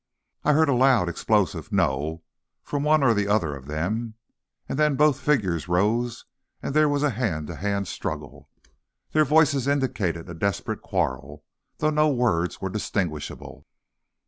I heard a loud, explosive "No!" from one or other of them, and then both figures rose and there was a hand to hand struggle. Their voices indicated a desperate quarrel, though no words were distinguishable.